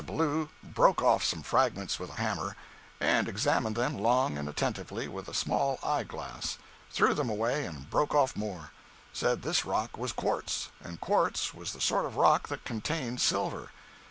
Ballou broke off some fragments with a hammer, and examined them long and attentively with a small eye glass; threw them away and broke off more; said this rock was quartz, and quartz was the sort of rock that contained silver.